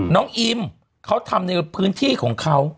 อิมเขาทำในพื้นที่ของเขา